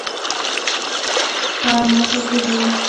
ستا موخې څه دي ؟